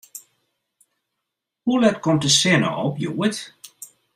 Hoe let komt de sinne op hjoed?